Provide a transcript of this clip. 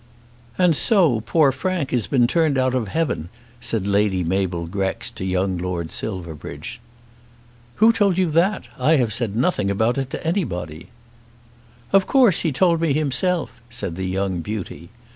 "And so poor Frank has been turned out of heaven?" said Lady Mabel Grex to young Lord Silverbridge. "Who told you that? I have said nothing about it to anybody." "Of course he told me himself," said the young beauty.